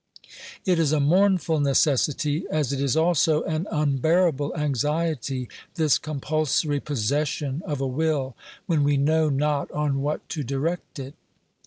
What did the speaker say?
It is a mournful necessity, as it is also an unbearable anxiety, this compulsory possession of a will, when we know not on what to direct it.